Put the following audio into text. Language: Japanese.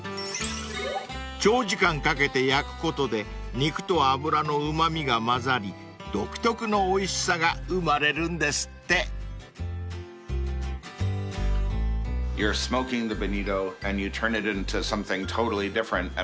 ［長時間かけて焼くことで肉と脂のうま味が混ざり独特のおいしさが生まれるんですって］と言っていますね。